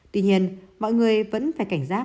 tuy nhiên mọi người vẫn phải cảnh giác